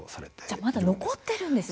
じゃあまだ残ってるんですね